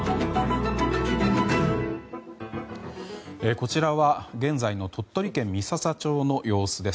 こちらは現在の鳥取県三朝町の様子です。